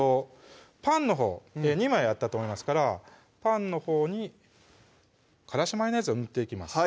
パンのほう２枚あったと思いますからパンのほうにからしマヨネーズを塗っていきます